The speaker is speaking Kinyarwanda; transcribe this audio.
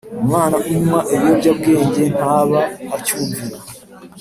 . Umwana unywa ibiyobyabwenge ntaba acyumvira